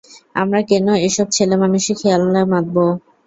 আমরা কেন এসব ছেলেমানুষি খেলায় মাতবো?